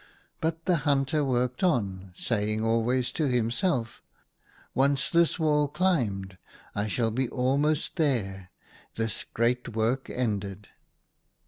But the hunter worked on, saying always to to himself, " Once this wall climbed, I shall be almost there. This great work ended